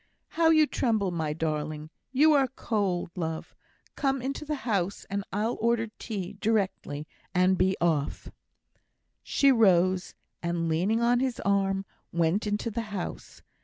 "How you tremble, my darling! You are cold, love! Come into the house, and I'll order tea directly and be off." She rose, and, leaning on his arm, went into the house.